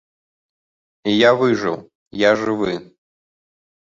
І я выжыў, я жывы.